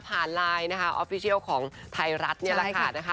ผ่านไลน์นะคะออฟฟิเชียลของไทยรัฐเนี่ยแหละค่ะ